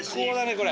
これ。